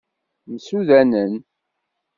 Msudanen.